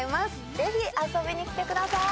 ぜひ遊びに来てください